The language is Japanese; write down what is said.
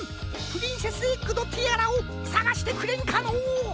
プリンセスエッグのティアラをさがしてくれんかのう。